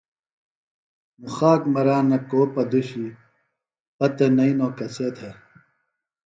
مُخاک مرانہ کُو پدُشی پتہ نئینو کسے تھے۔